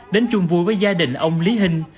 đến chung vui với gia đình ông lý hình